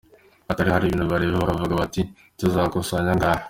Ati “Hariri ukuntu bareba bakavuga bati ‘tuzakusanya angahe’.